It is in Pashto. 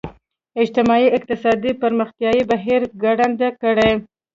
اجتماعي اقتصادي پرمختیايي بهیر ګړندی کړي.